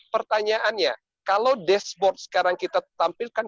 pertanyaannya kalau dashboard sekarang kita tampilkan